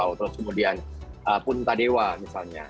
terus kemudian punta dewa misalnya